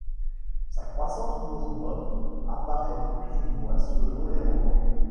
Sa croyance mormone apparaît plus ou moins selon les romans.